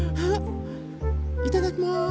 いただきます。